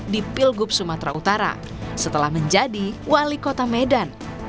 di pilgub sumatera utara setelah menjadi wali kota medan